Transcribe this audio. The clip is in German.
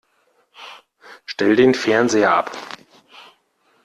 Stell den Fernseher ab!